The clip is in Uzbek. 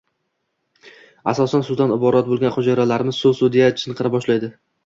Asosan suvdan iborat bo‘lgan hujayralarimiz “Suv! Suv!” deya chinqira boshlaydi